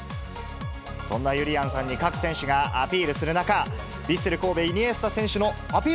そんなゆりやんさんに各選手がアピールする中、ヴィッセル神戸、イニエスタ選手のアピール